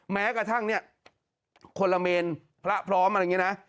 แม้กระทั่งเนี่ยคนละเมนพระพร้อมอะไรอย่างนี้นะ